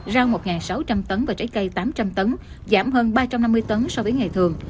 rau một sáu trăm linh tấn và trái cây tám trăm linh tấn giảm hơn ba trăm năm mươi tấn so với ngày thường